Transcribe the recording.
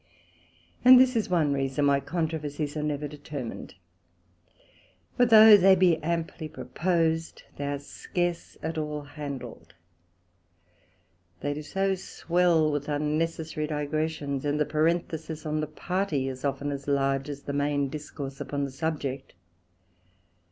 And this is one reason why Controversies are never determined; for though they be amply proposed, they are scarce at all handled, they do so swell with unnecessary Digressions; and the Parenthesis on the party, is often as large as the main discourse upon the subject.